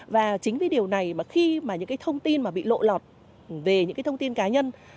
và chính vì điều này mà khi mà những cái thông tin mà bị lộ lọt về những cái thông tin cá nhân